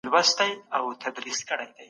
میندو د خپلو ماشومانو روغتیا ته پام کاوه.